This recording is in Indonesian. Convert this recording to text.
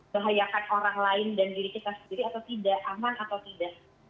bahayakan orang lain dan diri kita sendiri atau tidak aman atau tidak